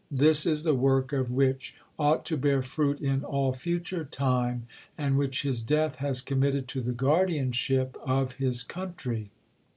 "This is the work of his which ought to bear fruit in all future time, and which his death has committed to the guardianship of his country."